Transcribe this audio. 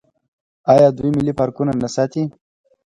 آیا دوی ملي پارکونه نه ساتي؟